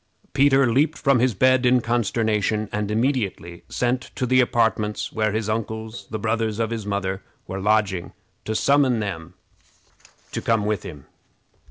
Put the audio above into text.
Peter leaped from his bed in consternation, and immediately sent to the apartments where his uncles, the brothers of his mother, were lodging, to summon them to come to him.